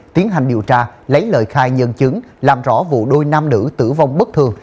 tiến hành điều tra lấy lời khai nhân chứng làm rõ vụ đôi nam nữ tử vong bất thường